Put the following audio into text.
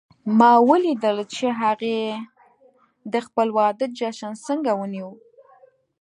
ما ولیدل چې هغې د خپل واده جشن څنګه ونیو